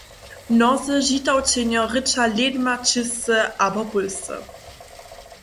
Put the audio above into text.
Mnozy Žitawčenjo rěča lědma čěsce abo pólsce.